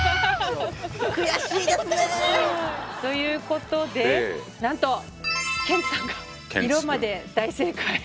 悔しいですね。ということでなんとケンチさんが色まで大正解。